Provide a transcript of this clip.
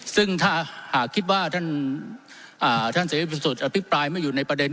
ซึ่งถ้าหากคิดว่าท่านเสรีพิสุทธิ์อภิปรายไม่อยู่ในประเด็น